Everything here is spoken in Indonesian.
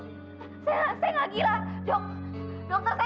jadi ibu saya dok